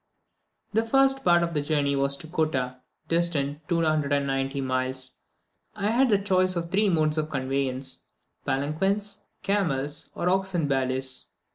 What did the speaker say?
The first part of the journey was to Kottah, distant 290 miles. I had the choice of three modes of conveyance palanquins, camels, or oxen bailis.